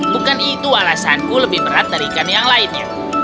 bukan itu alasanku lebih berat dari ikan yang lainnya